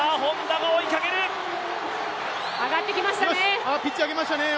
上がってきましたね。